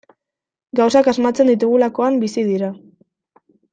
Gauzak asmatzen ditugulakoan bizi dira.